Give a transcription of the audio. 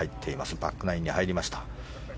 バックナインに入りました。